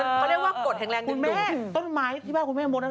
เขาเรียกว่ากฎแห่งแรงคุณแม่ต้นไม้ที่บ้านคุณแม่มดนั้น